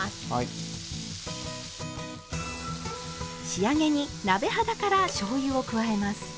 仕上げに鍋肌からしょうゆを加えます。